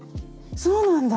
そうなんだ。